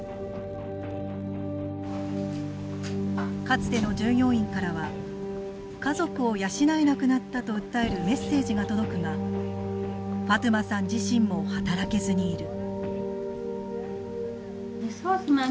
かつての従業員からは「家族を養えなくなった」と訴えるメッセージが届くがファトゥマさん自身も働けずにいる。